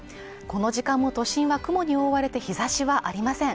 この時間も都心は雲に覆われて日差しはありません